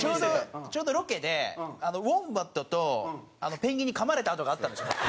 ちょうどロケでウォンバットとペンギンにかまれた痕があったんですよ。